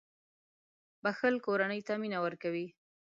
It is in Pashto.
• بښل کورنۍ ته مینه ورکوي.